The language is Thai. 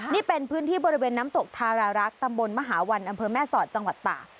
นี่เป็นพื้นที่บริเวณน้ำตกทารารักษ์ตำบลมหาวันอำเภอแม่สอดจังหวัดตาก